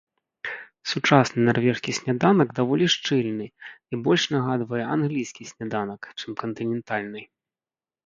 Сучасны нарвежскі сняданак даволі шчыльны і больш нагадвае англійскі сняданак, чым кантынентальны.